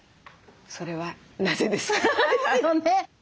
それはなぜですか？